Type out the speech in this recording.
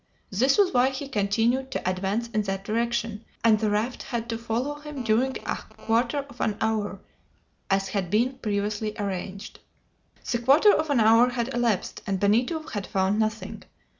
This was why he continued to advance in that direction, and the raft had to follow him during a quarter of an hour, as had been previously arranged. The quarter of an hour had elapsed, and Benito had found nothing.